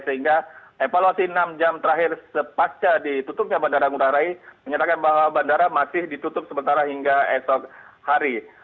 sehingga evaluasi enam jam terakhir sepasca ditutupnya bandara ngurah rai menyatakan bahwa bandara masih ditutup sementara hingga esok hari